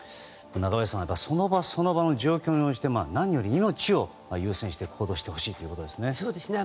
中林さん、その場その場の状況に応じて何より命を優先して行動してほしいということですね。